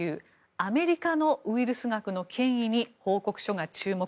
アメリカのウイルス学の権威に報告書が注目。